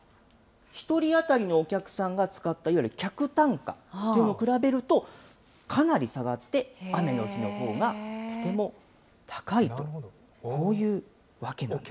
１人当たりのお客さんが使ったいわゆる客単価というのをこれを比べると、かなり差があって、雨の日のほうがとても高いと、こういうわけなんですね。